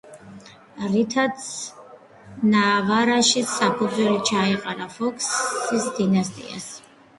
რითაც ნავარაში საფუძველი ჩაეყარა ფოქსის დინასტიას.